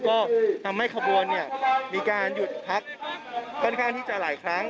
ก็ทำให้ขบวนเนี่ยมีการหยุดพักค่อนข้างที่จะหลายครั้ง